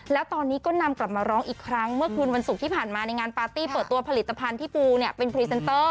แล้วตอนนี้ก็นำกลับมาร้องอีกครั้งเมื่อคืนวันศุกร์ที่ผ่านมาในงานปาร์ตี้เปิดตัวผลิตภัณฑ์ที่ปูเนี่ยเป็นพรีเซนเตอร์